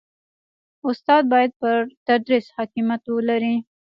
استاد باید پر تدریس حاکمیت ولري.